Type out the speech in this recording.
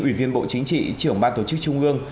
ủy viên bộ chính trị trưởng ban tổ chức trung ương